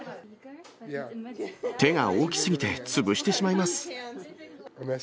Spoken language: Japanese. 手が大きすぎて潰してしまいます。